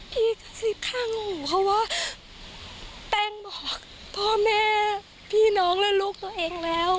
ที่สิบข้างหนูเพราะว่าแป้งบอกพ่อแม่พี่น้องและลูกตัวเองแล้ว